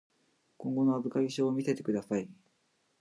今後の預かり証を見せてください。